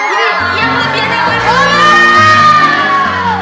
ya kelebihan yang dikurangin